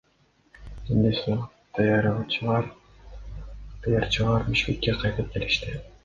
Түндөсү ыктыярчылар Бишкекке кайтып келишти.